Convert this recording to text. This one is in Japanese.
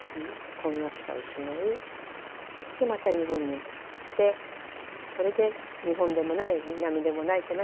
婚約者を失いまた日本に来てそれで日本でもない南でもないってなって北を信じた。